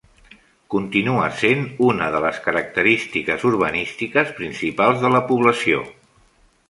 Continua sent una de les característiques urbanístiques principals de la població.